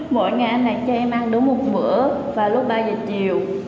mỗi ngày anh đạt cho em ăn đúng một bữa và lúc ba giờ chiều